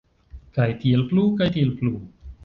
Kaj tiel plu, kaj tiel plu.